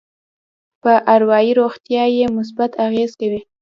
په اروایي روغتيا يې مثبت اغېز کوي.